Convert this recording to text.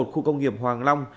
khu công nghiệp hoàng long